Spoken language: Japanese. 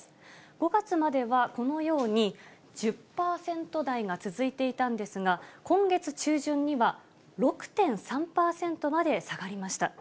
５月までは、このように１０％台が続いていたんですが、今月中旬には６．３％まで下がりました。